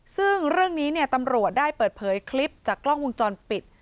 ซึ่งเรื่องนี้ตำรวจได้เปิดเผยคลิปจากกล้องวงจรปิด